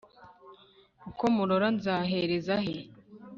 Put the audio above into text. uko murora nzahereza he